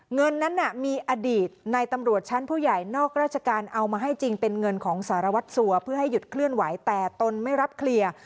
เงินนั้นมีอดีตในตำรวจชั้นผู้ใหญ่นอกราชการเอามาให้จริงเป็นเงินของสารวัตรสัวเพื่อให้หยุดเคลื่อนไหวแต่ตนไม่รับเคลียร์